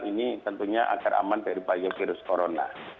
ini tentunya agar aman dari bahaya virus corona